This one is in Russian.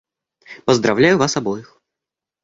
Поздравляю вас обоих.